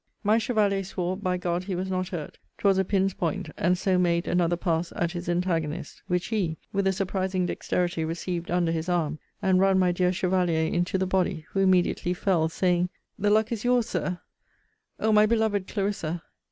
My chevalier swore by G d he was not hurt; 'twas a pin's point; and so made another pass at his antagonist; which he, with a surprising dexterity, received under his arm, and run my dear chevalier into the body; who immediately fell; saying, The luck is your's, Sir O my beloved Clarissa!